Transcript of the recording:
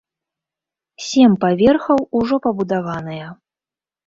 Сем паверхаў ужо пабудаваныя.